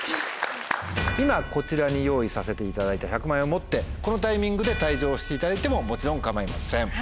今こちらに用意させていただいた１００万円を持ってこのタイミングで退場していただいてももちろん構いません。